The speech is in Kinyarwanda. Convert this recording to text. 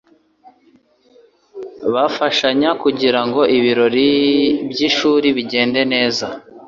Bafashanya kugirango ibirori byishuri bigende neza